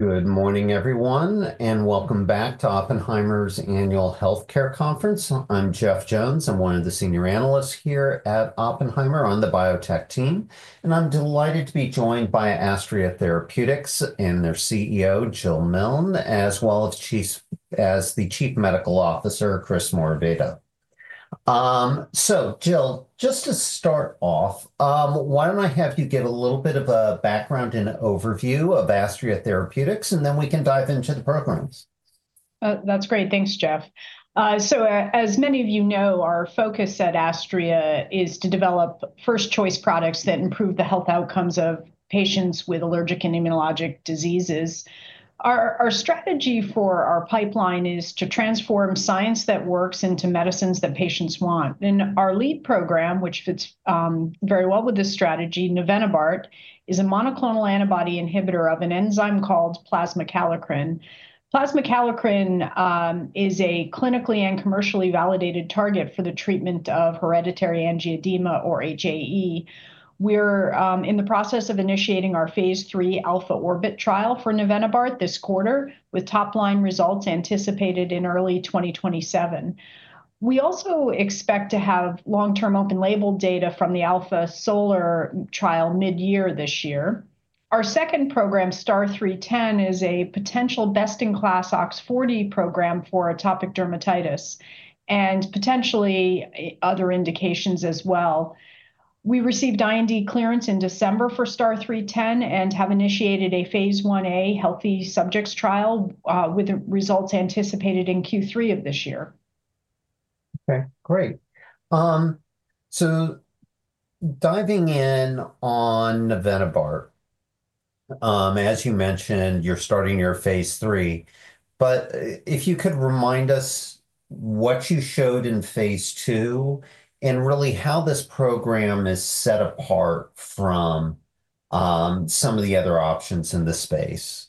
Good morning, everyone, and welcome back to Oppenheimer's Annual Healthcare Conference. I'm Jeff Jones. I'm one of the senior analysts here at Oppenheimer on the biotech team, and I'm delighted to be joined by Astria Therapeutics and their CEO, Jill Milne, as well as the Chief Medical Officer, Chris Morabito. So, Jill, just to start off, why don't I have you give a little bit of a background and overview of Astria Therapeutics, and then we can dive into the programs. That's great. Thanks, Jeff. So, as many of you know, our focus at Astria is to develop first-choice products that improve the health outcomes of patients with allergic and immunologic diseases. Our strategy for our pipeline is to transform science that works into medicines that patients want. And our lead program, which fits very well with this strategy, navenibart, is a monoclonal antibody inhibitor of an enzyme called plasma kallikrein. Plasma kallikrein is a clinically and commercially validated target for the treatment of hereditary angioedema, or HAE. We're in the process of initiating our Phase III ALPHA-ORBIT trial for navenibart this quarter, with top-line results anticipated in early 2027. We also expect to have long-term open-label data from the ALPHA-SOLAR trial mid-year this year. Our second program, STAR-0310, is a potential best-in-class OX40 program for atopic dermatitis and potentially other indications as well. We received IND clearance in December for STAR-0310 and have initiated a Phase Ia healthy subjects trial with results anticipated in Q3 of this year. Okay, great. So, diving in on navenibart, as you mentioned, you're starting your Phase III. But if you could remind us what you showed in Phase II and really how this program is set apart from some of the other options in the space,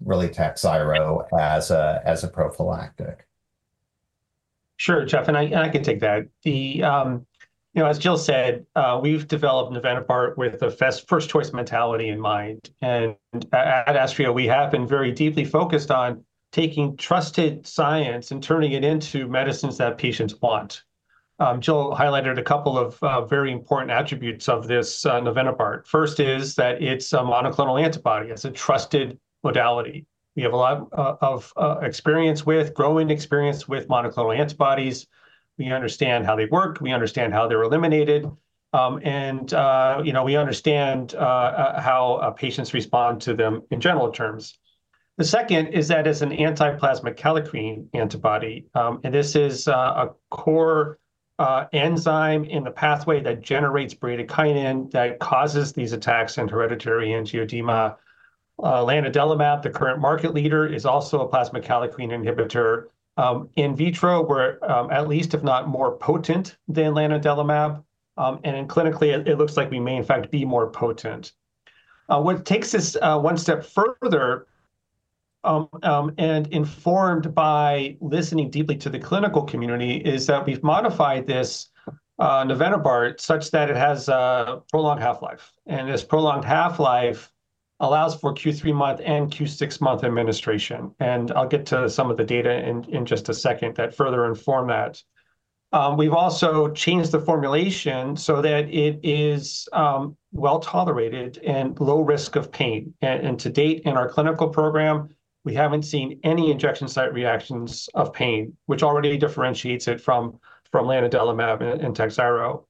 really TAKHZYRO as a prophylactic? Sure, Jeff, and I can take that. As Jill said, we've developed navenibart with a first-choice mentality in mind. And at Astria, we have been very deeply focused on taking trusted science and turning it into medicines that patients want. Jill highlighted a couple of very important attributes of this navenibart. First is that it's a monoclonal antibody. It's a trusted modality. We have a lot of experience with growing experience with monoclonal antibodies. We understand how they work. We understand how they're eliminated. And we understand how patients respond to them in general terms. The second is that it's an anti-plasma kallikrein antibody. And this is a core enzyme in the pathway that generates bradykinin that causes these attacks and hereditary angioedema, lanadelumab, the current market leader, is also a plasma kallikrein inhibitor in vitro, at least, if not more potent than lanadelumab. Clinically, it looks like we may, in fact, be more potent. What takes us one step further and informed by listening deeply to the clinical community is that we've modified this navenibart such that it has a prolonged half-life. This prolonged half-life allows for Q3 month and Q6 month administration. I'll get to some of the data in just a second that further inform that. We've also changed the formulation so that it is well tolerated and low risk of pain. To date, in our clinical program, we haven't seen any injection site reactions of pain, which already differentiates it from lanadelumab and TAKHZYRO.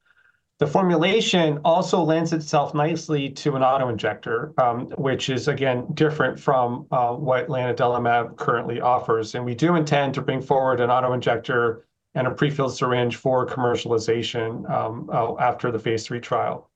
The formulation also lends itself nicely to an auto-injector, which is, again, different from what lanadelumab currently offers. We do intend to bring forward an auto-injector and a prefilled syringe for commercialization after the Phase III trial.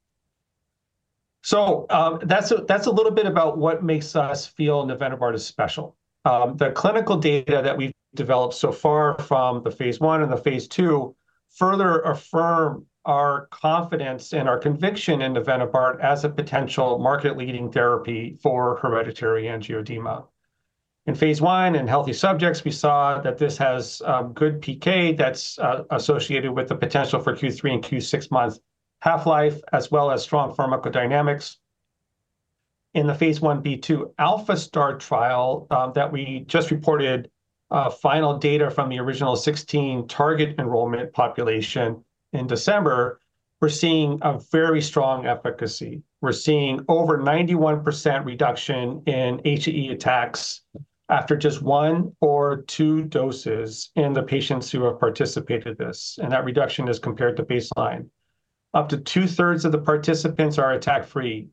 That's a little bit about what makes us feel navenibart is special. The clinical data that we've developed so far from the Phase I and the Phase II further affirm our confidence and our conviction in navenibart as a potential market-leading therapy for hereditary angioedema. In Phase I in healthy subjects, we saw that this has good PK that's associated with the potential for Q3- and Q6-month half-life, as well as strong pharmacodynamics. In the Phase Ib/II ALPHA-STAR trial that we just reported final data from the original 16 target enrollment population in December, we're seeing a very strong efficacy. We're seeing over 91% reduction in HAE attacks after just one or two doses in the patients who have participated in this. And that reduction is compared to baseline. Up to 2/3 of the participants are attack-free.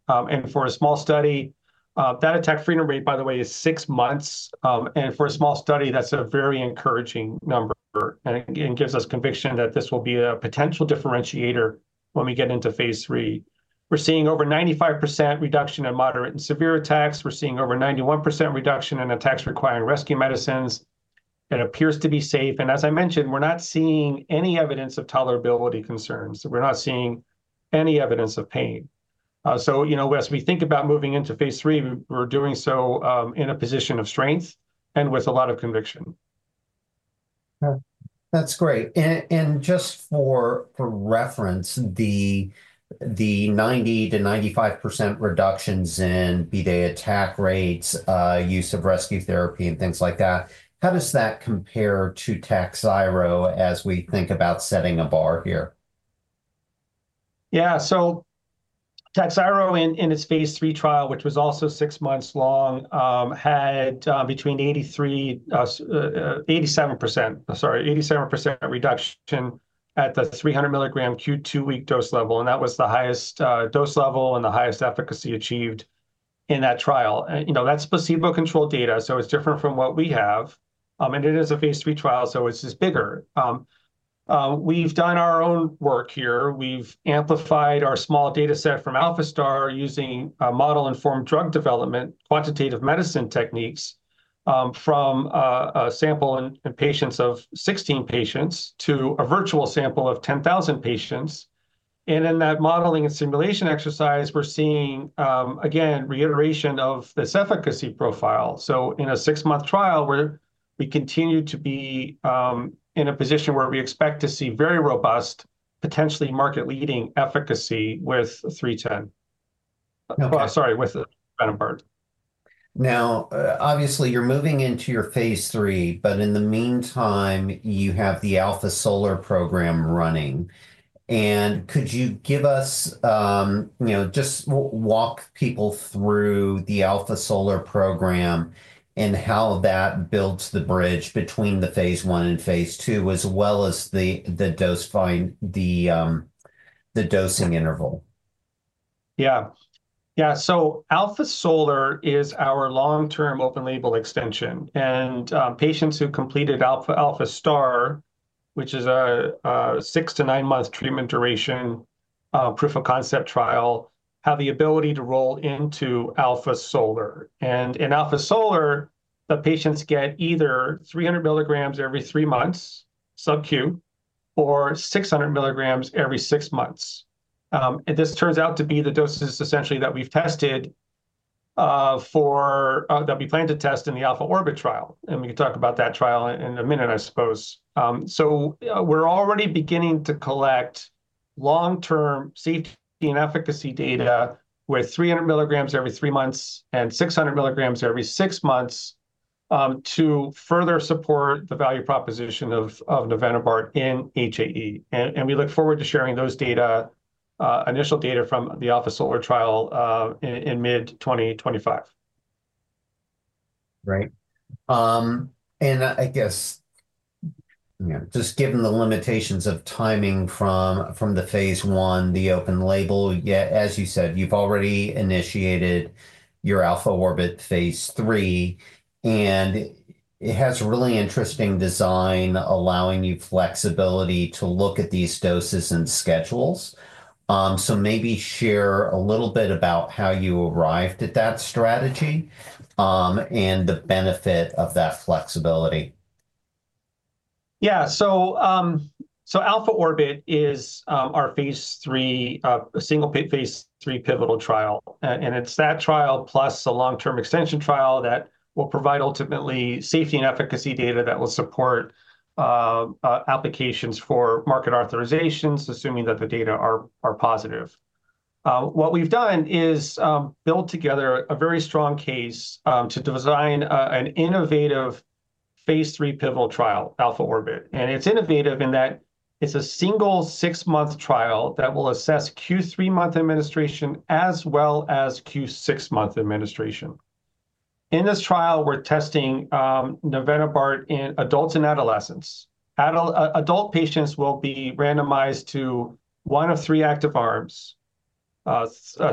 For a small study, that attack-free rate, by the way, is six months. That's a very encouraging number and gives us conviction that this will be a potential differentiator when we get into Phase III. We're seeing over 95% reduction in moderate and severe attacks. We're seeing over 91% reduction in attacks requiring rescue medicines. It appears to be safe. As I mentioned, we're not seeing any evidence of tolerability concerns. We're not seeing any evidence of pain. As we think about moving into Phase III, we're doing so in a position of strength and with a lot of conviction. That's great. And just for reference, the 90%-95% reductions in HAE attack rates, use of rescue therapy, and things like that, how does that compare to TAKHZYRO as we think about setting a bar here? Yeah, so TAKHZYRO in its Phase III trial, which was also six months long, had between 87% reduction at the 300 mg Q2 week dose level. And that was the highest dose level and the highest efficacy achieved in that trial. That's placebo-controlled data, so it's different from what we have. And it is a Phase III trial, so it's just bigger. We've done our own work here. We've amplified our small data set from ALPHA-STAR using model-informed drug development, quantitative medicine techniques from a sample of 16 patients to a virtual sample of 10,000 patients. And in that modeling and simulation exercise, we're seeing, again, reiteration of this efficacy profile. So in a six-month trial, we continue to be in a position where we expect to see very robust, potentially market-leading efficacy with 310. Sorry, with navenibart. Now, obviously, you're moving into your Phase III, but in the meantime, you have the ALPHA-SOLAR program running. And could you give us just walk people through the ALPHA-SOLAR program and how that builds the bridge between the Phase I and Phase II, as well as the dosing interval? Yeah. Yeah, so ALPHA-SOLAR is our long-term open-label extension, and patients who completed ALPHA-STAR, which is a six- to nine-month treatment duration proof of concept trial, have the ability to roll into ALPHA-SOLAR, and in ALPHA-SOLAR, the patients get either 300 mg every three months subcu or 600 mg every six months. And this turns out to be the doses essentially that we've tested for that we plan to test in the ALPHA-ORBIT trial, and we can talk about that trial in a minute, I suppose, so we're already beginning to collect long-term safety and efficacy data with 300 mg every three months and 600 mg every six months to further support the value proposition of navenibart in HAE. And we look forward to sharing those initial data from the ALPHA-SOLAR trial in mid-2025. Great. And I guess, just given the limitations of timing from the Phase I, the open label, as you said, you've already initiated your ALPHA-ORBIT Phase III. And it has a really interesting design allowing you flexibility to look at these doses and schedules. So maybe share a little bit about how you arrived at that strategy and the benefit of that flexibility. Yeah, ALPHA-ORBIT is our single Phase III pivotal trial. It's that trial plus a long-term extension trial that will provide ultimately safety and efficacy data that will support applications for market authorizations, assuming that the data are positive. What we've done is built together a very strong case to design an innovative Phase III pivotal trial, ALPHA-ORBIT. It's innovative in that it's a single six-month trial that will assess Q3 month administration as well as Q6 month administration. In this trial, we're testing navenibart in adults and adolescents. Adult patients will be randomized to one of three active arms: 600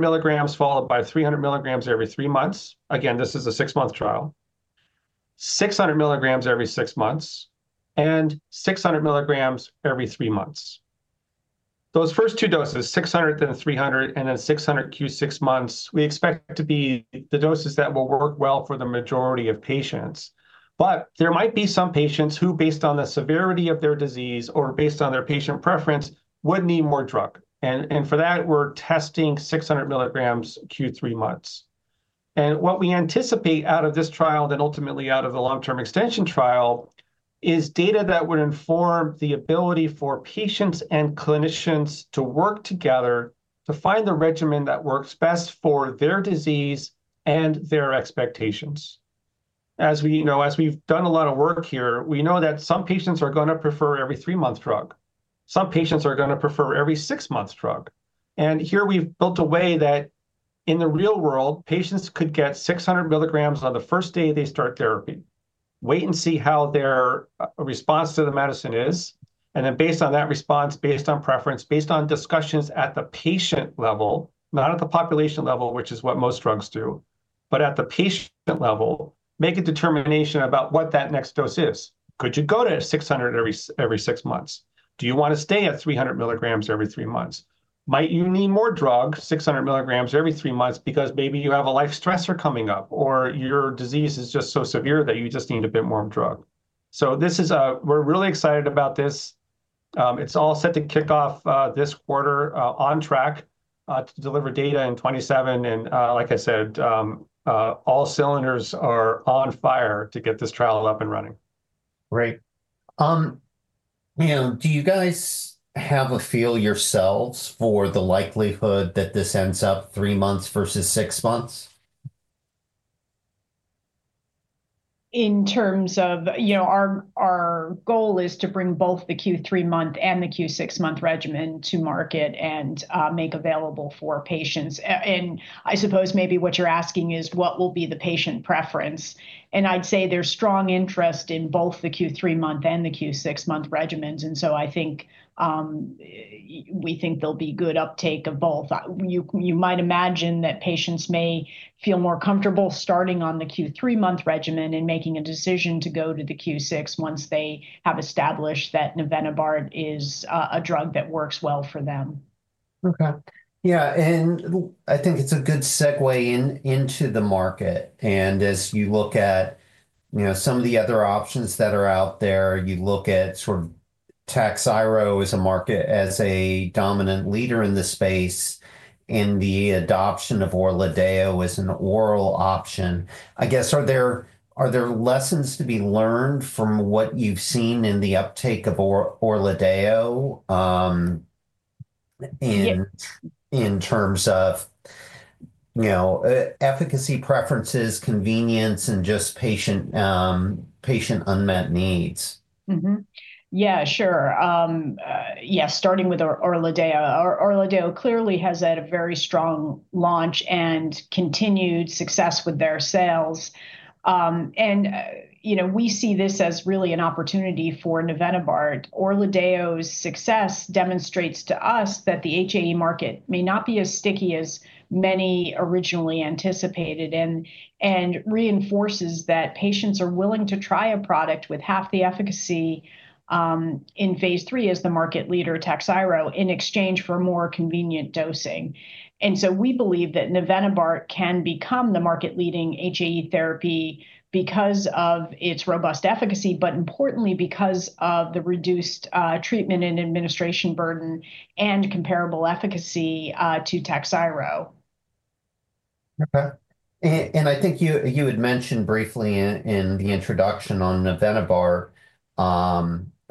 mg followed by 300 mg every three months. Again, this is a six-month trial: 600 mg every six months, and 600 mg every three months. Those first two doses, 600 mg and 300 mg, and then 600 mg Q6 months, we expect to be the doses that will work well for the majority of patients. But there might be some patients who, based on the severity of their disease or based on their patient preference, would need more drug. And for that, we're testing 600 mg Q3 months. And what we anticipate out of this trial and ultimately out of the long-term extension trial is data that would inform the ability for patients and clinicians to work together to find the regimen that works best for their disease and their expectations. As we've done a lot of work here, we know that some patients are going to prefer every three-month drug. Some patients are going to prefer every six-month drug. Here we've built a way that in the real world, patients could get 600 mg on the first day they start therapy, wait and see how their response to the medicine is. Then based on that response, based on preference, based on discussions at the patient level, not at the population level, which is what most drugs do, but at the patient level, make a determination about what that next dose is. Could you go to 600 mg every six months? Do you want to stay at 300 mg every three months? Might you need more drug, 600 mg every three months because maybe you have a life stressor coming up or your disease is just so severe that you just need a bit more drug. We're really excited about this. It's all set to kick off this quarter on track to deliver data in 2027. And like I said, all cylinders are on fire to get this trial up and running. Great. Do you guys have a feel yourselves for the likelihood that this ends up three months versus six months? In terms of our goal is to bring both the Q3 month and the Q6 month regimen to market and make available for patients. And I suppose maybe what you're asking is what will be the patient preference. And I'd say there's strong interest in both the Q3 month and the Q6 month regimens. And so I think we think there'll be good uptake of both. You might imagine that patients may feel more comfortable starting on the Q3 month regimen and making a decision to go to the Q6 once they have established that navenibart is a drug that works well for them. Okay. Yeah. And I think it's a good segue into the market. And as you look at some of the other options that are out there, you look at sort of TAKHZYRO as a market as a dominant leader in the space and the adoption of ORLADEYO as an oral option. I guess, are there lessons to be learned from what you've seen in the uptake of ORLADEYO in terms of efficacy preferences, convenience, and just patient unmet needs? Yeah, sure. Yeah, starting with ORLADEYO. ORLADEYO clearly has had a very strong launch and continued success with their sales. And we see this as really an opportunity for navenibart. ORLADEYO's success demonstrates to us that the HAE market may not be as sticky as many originally anticipated and reinforces that patients are willing to try a product with half the efficacy in Phase III as the market leader, TAKHZYRO, in exchange for more convenient dosing. And so we believe that navenibart can become the market-leading HAE therapy because of its robust efficacy, but importantly, because of the reduced treatment and administration burden and comparable efficacy to TAKHZYRO. Okay. And I think you had mentioned briefly in the introduction on navenibart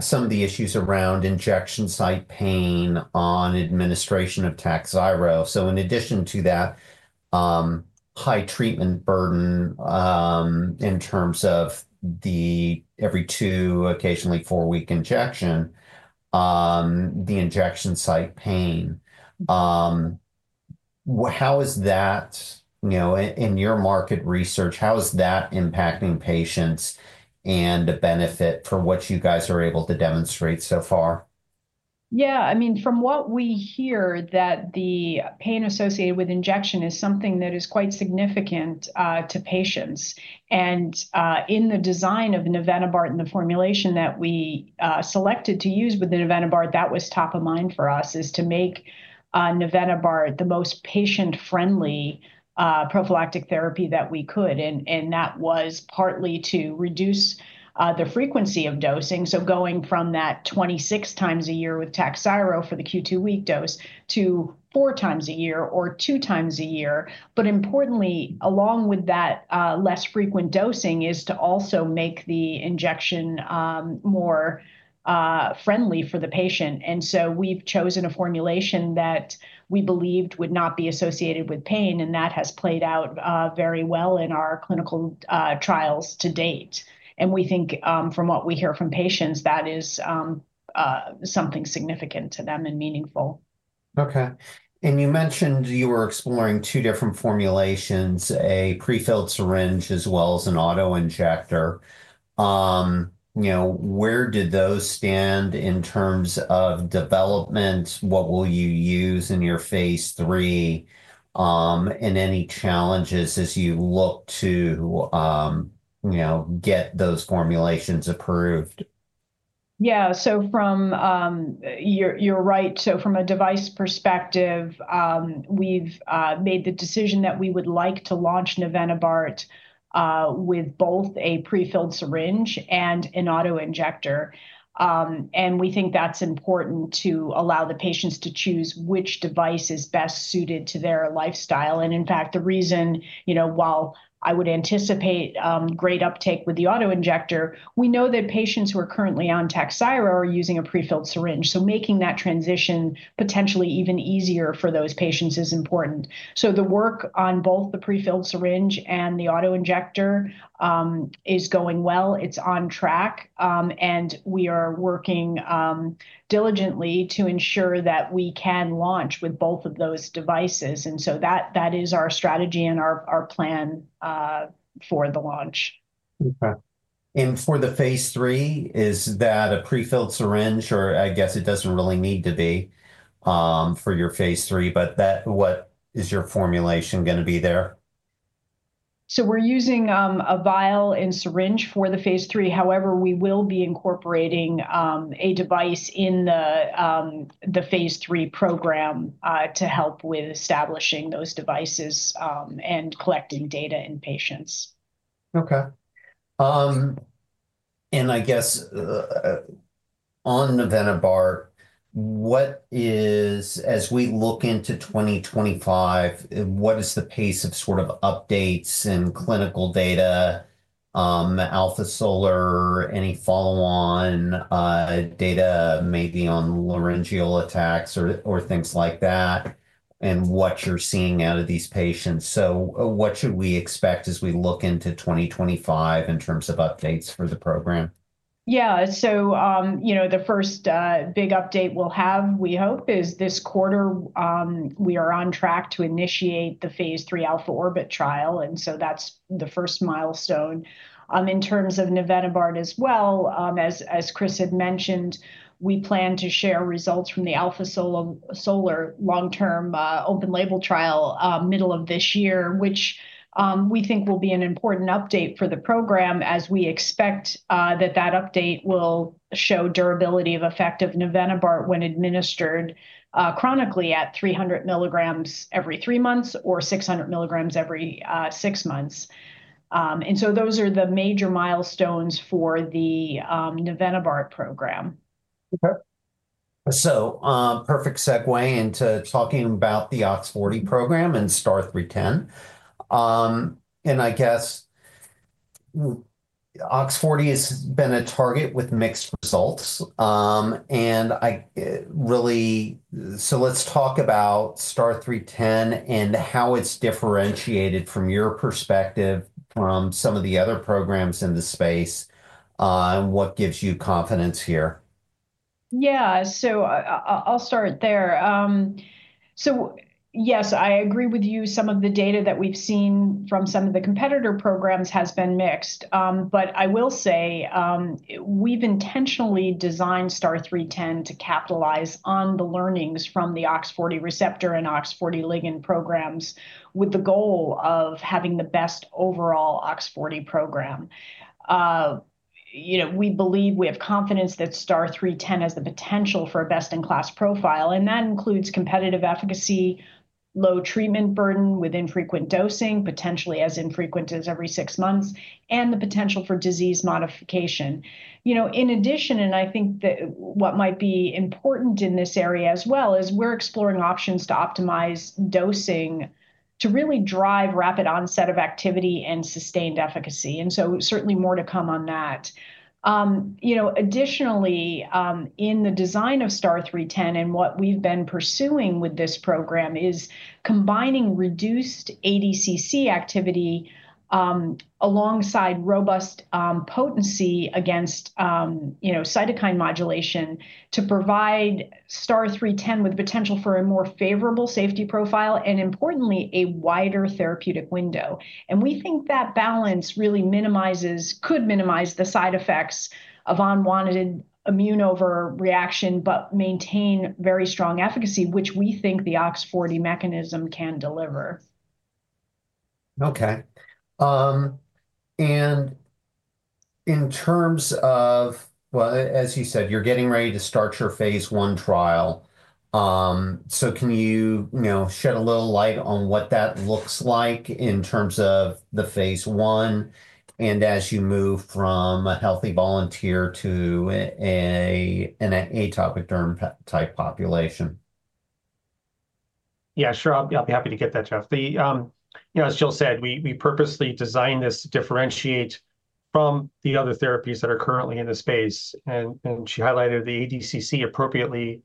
some of the issues around injection site pain on administration of TAKHZYRO. So in addition to that high treatment burden in terms of the every two, occasionally four-week injection, the injection site pain, how is that in your market research, how is that impacting patients and the benefit for what you guys are able to demonstrate so far? Yeah. I mean, from what we hear, the pain associated with injection is something that is quite significant to patients. And in the design of navenibart and the formulation that we selected to use with the navenibart, that was top of mind for us is to make navenibart the most patient-friendly prophylactic therapy that we could. And that was partly to reduce the frequency of dosing. So going from that 26x a year with TAKHZYRO for the Q2 week dose to 4x a year or 2x a year. But importantly, along with that less frequent dosing is to also make the injection more friendly for the patient. And so we've chosen a formulation that we believed would not be associated with pain. And that has played out very well in our clinical trials to date. We think from what we hear from patients, that is something significant to them and meaningful. Okay. And you mentioned you were exploring two different formulations, a prefilled syringe as well as an auto-injector. Where did those stand in terms of development? What will you use in your Phase III and any challenges as you look to get those formulations approved? Yeah. So you're right. So from a device perspective, we've made the decision that we would like to launch navenibart with both a prefilled syringe and an auto-injector. And we think that's important to allow the patients to choose which device is best suited to their lifestyle. And in fact, the reason while I would anticipate great uptake with the auto-injector, we know that patients who are currently on TAKHZYRO are using a prefilled syringe. So making that transition potentially even easier for those patients is important. So the work on both the prefilled syringe and the auto-injector is going well. It's on track. And we are working diligently to ensure that we can launch with both of those devices. And so that is our strategy and our plan for the launch. Okay, and for the Phase III, is that a prefilled syringe or I guess it doesn't really need to be for your Phase III, but what is your formulation going to be there? So we're using a vial and syringe for the Phase III. However, we will be incorporating a device in the Phase III program to help with establishing those devices and collecting data in patients. Okay. And I guess on navenibart, as we look into 2025, what is the pace of sort of updates in clinical data, ALPHA-SOLAR, any follow-on data, maybe on laryngeal attacks or things like that, and what you're seeing out of these patients? So what should we expect as we look into 2025 in terms of updates for the program? Yeah. So the first big update we'll have, we hope, is this quarter, we are on track to initiate the Phase III ALPHA-ORBIT trial. And so that's the first milestone. In terms of navenibart as well, as Chris had mentioned, we plan to share results from the ALPHA-SOLAR long-term open-label trial middle of this year, which we think will be an important update for the program as we expect that that update will show durability of effect of navenibart when administered chronically at 300 mg every three months or 600 mg every six months. And so those are the major milestones for the navenibart program. Okay. So perfect segue into talking about the OX40 program and STAR-0310. And I guess OX40 has been a target with mixed results. And so let's talk about STAR-0310 and how it's differentiated from your perspective from some of the other programs in the space and what gives you confidence here. Yeah. So I'll start there. So yes, I agree with you. Some of the data that we've seen from some of the competitor programs has been mixed. But I will say we've intentionally designed STAR-0310 to capitalize on the learnings from the OX40 receptor and OX40 ligand programs with the goal of having the best overall OX40 program. We believe we have confidence that STAR-0310 has the potential for a best-in-class profile. And that includes competitive efficacy, low treatment burden with infrequent dosing, potentially as infrequent as every six months, and the potential for disease modification. In addition, and I think what might be important in this area as well is we're exploring options to optimize dosing to really drive rapid onset of activity and sustained efficacy. And so certainly more to come on that. Additionally, in the design of STAR-0310 and what we've been pursuing with this program is combining reduced ADCC activity alongside robust potency against cytokine modulation to provide STAR-0310 with potential for a more favorable safety profile and, importantly, a wider therapeutic window, and we think that balance really could minimize the side effects of unwanted immune overreaction but maintain very strong efficacy, which we think the OX40 mechanism can deliver. Okay. And in terms of, well, as you said, you're getting ready to start your Phase I trial. So can you shed a little light on what that looks like in terms of the Phase I and as you move from a healthy volunteer to an atopic dermatitis population? Yeah, sure. I'll be happy to get that, Jeff. As Jill said, we purposely designed this to differentiate from the other therapies that are currently in the space. And she highlighted the ADCC appropriately.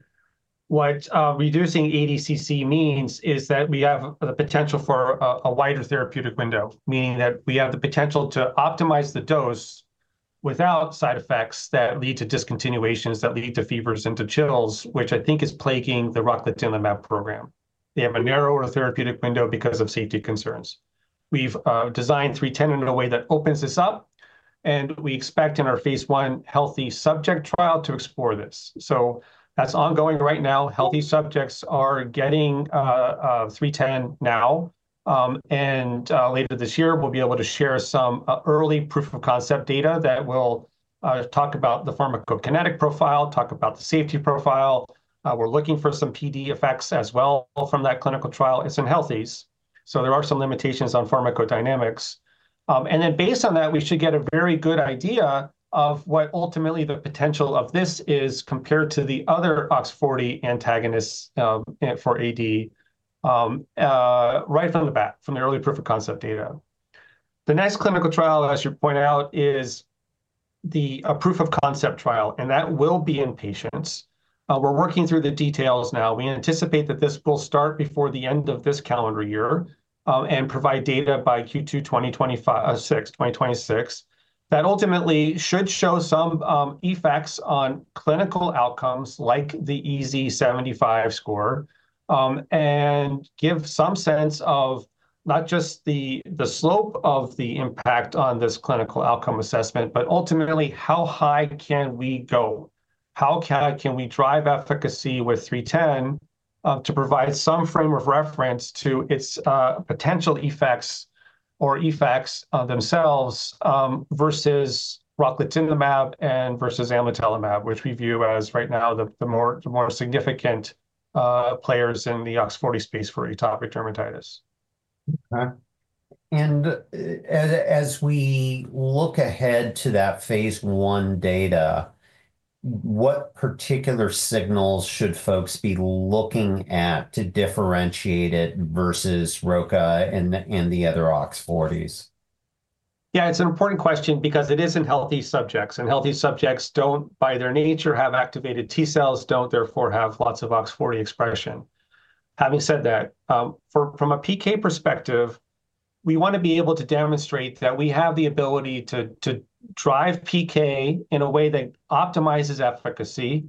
What reducing ADCC means is that we have the potential for a wider therapeutic window, meaning that we have the potential to optimize the dose without side effects that lead to discontinuations that lead to fevers and to chills, which I think is plaguing the rocatinlimab program. They have a narrower therapeutic window because of safety concerns. We've designed 310 in a way that opens this up. And we expect in our Phase I healthy subject trial to explore this. So that's ongoing right now. Healthy subjects are getting 310 now. Later this year, we'll be able to share some early proof of concept data that will talk about the pharmacokinetic profile, talk about the safety profile. We're looking for some PD effects as well from that clinical trial. It's in healthies. So there are some limitations on pharmacodynamics. Then based on that, we should get a very good idea of what ultimately the potential of this is compared to the other OX40 antagonists for AD right off the bat from the early proof of concept data. The next clinical trial, as you point out, is the proof of concept trial. That will be in patients. We're working through the details now. We anticipate that this will start before the end of this calendar year and provide data by Q2 2026. That ultimately should show some effects on clinical outcomes like the EASI-75 score and give some sense of not just the slope of the impact on this clinical outcome assessment, but ultimately, how high can we go? How can we drive efficacy with 310 to provide some frame of reference to its potential effects or effects themselves versus rocatinlimab and versus amlitelimab, which we view as right now the more significant players in the OX40 space for atopic dermatitis. Okay. And as we look ahead to that Phase I data, what particular signals should folks be looking at to differentiate it versus roca and the other OX40s? Yeah, it's an important question because it is in healthy subjects. And healthy subjects don't, by their nature, have activated T cells, don't therefore have lots of OX40 expression. Having said that, from a PK perspective, we want to be able to demonstrate that we have the ability to drive PK in a way that optimizes efficacy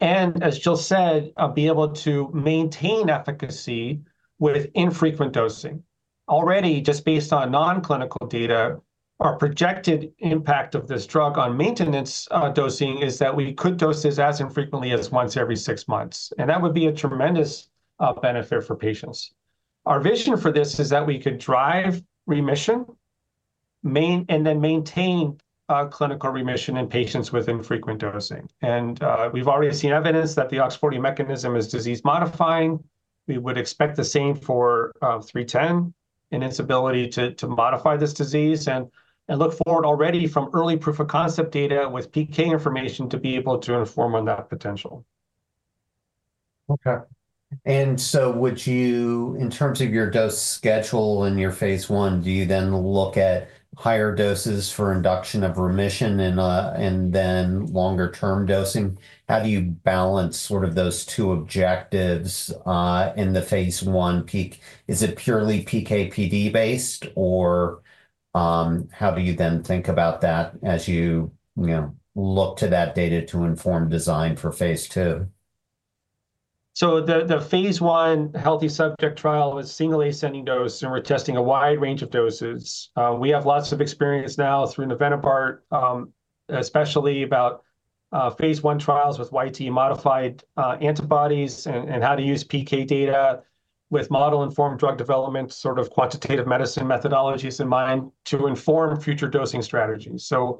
and, as Jill said, be able to maintain efficacy with infrequent dosing. Already, just based on non-clinical data, our projected impact of this drug on maintenance dosing is that we could dose this as infrequently as once every six months. And that would be a tremendous benefit for patients. Our vision for this is that we could drive remission and then maintain clinical remission in patients with infrequent dosing. And we've already seen evidence that the OX40 mechanism is disease modifying. We would expect the same for 310 and its ability to modify this disease, and look forward already from early proof of concept data with PK information to be able to inform on that potential. Okay. And so in terms of your dose schedule in your Phase I, do you then look at higher doses for induction of remission and then longer-term dosing? How do you balance sort of those two objectives in the Phase I PK? Is it purely PK/PD based, or how do you then think about that as you look to that data to inform design for Phase II? The Phase I healthy subject trial was single-ascending dose, and we're testing a wide range of doses. We have lots of experience now through navenibart, especially about Phase I trials with YTE modified antibodies and how to use PK data with model-informed drug development, sort of quantitative medicine methodologies in mind to inform future dosing strategies. We're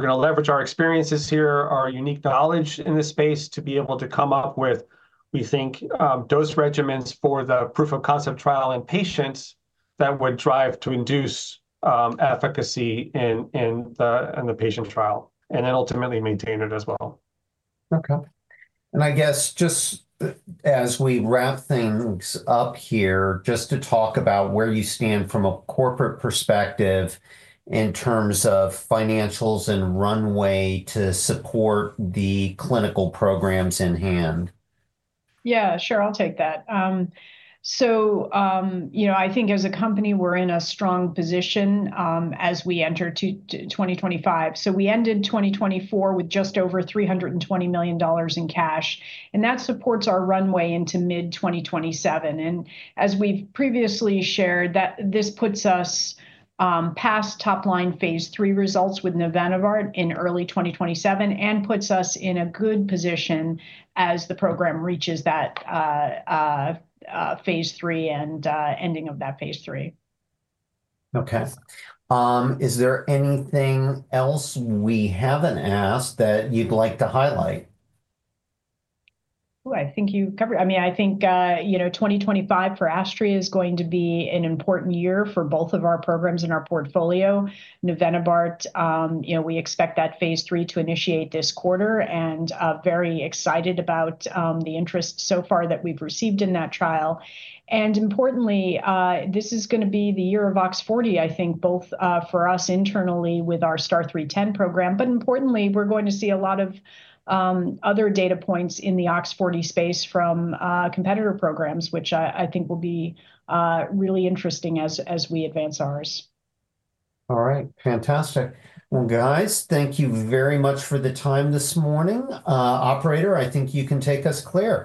going to leverage our experiences here, our unique knowledge in this space to be able to come up with, we think, dose regimens for the proof of concept trial in patients that would drive to induce efficacy in the patient trial and then ultimately maintain it as well. Okay, and I guess just as we wrap things up here, just to talk about where you stand from a corporate perspective in terms of financials and runway to support the clinical programs in hand. Yeah, sure. I'll take that. So I think as a company, we're in a strong position as we enter 2025. So we ended 2024 with just over $320 million in cash. And that supports our runway into mid-2027. And as we've previously shared, this puts us past top-line Phase III results with navenibart in early 2027 and puts us in a good position as the program reaches that Phase III and ending of that Phase III. Okay. Is there anything else we haven't asked that you'd like to highlight? Oh, I think you covered it. I mean, I think 2025 for Astria is going to be an important year for both of our programs and our portfolio. Navenibart, we expect that Phase III to initiate this quarter, and very excited about the interest so far that we've received in that trial. And importantly, this is going to be the year of OX40, I think, both for us internally with our STAR-0310 program, but importantly, we're going to see a lot of other data points in the OX40 space from competitor programs, which I think will be really interesting as we advance ours. All right. Fantastic. Well, guys, thank you very much for the time this morning. Operator, I think you can take us clear.